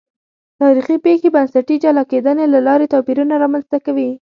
تاریخي پېښې بنسټي جلا کېدنې له لارې توپیرونه رامنځته کوي.